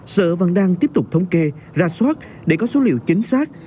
sở vẫn đang tiếp tục thống kê ra soát để có số liệu chính xác